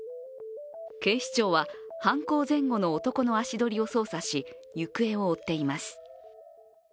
警視庁は犯行前後の男の足取りを捜査し、行方を追っています。